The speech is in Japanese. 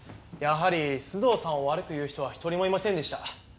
やはり須藤さんを悪く言う人は一人もいませんでした。